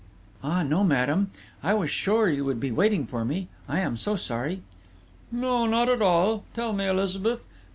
"Ah, no, madame!... I was sure you would be waiting for me I am so sorry!" "No, not at all!... Tell me, Elizabeth....